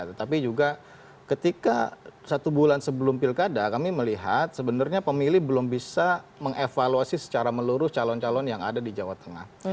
tetapi juga ketika satu bulan sebelum pilkada kami melihat sebenarnya pemilih belum bisa mengevaluasi secara melurus calon calon yang ada di jawa tengah